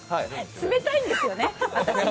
冷たいんですよね、私に。